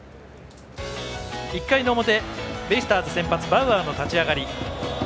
１回の表、ベイスターズ先発バウアーの立ち上がり。